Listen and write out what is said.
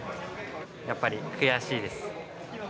やっぱり悔しいです。